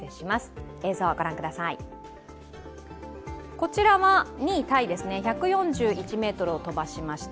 こちらは２位タイ、１４１ｍを飛ばしました